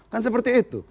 kan seperti itu